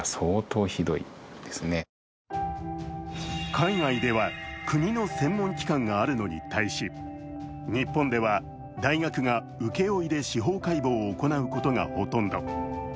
海外では国の専門機関があるのに対し日本では大学が請け負いで司法解剖を行うことがほとんど。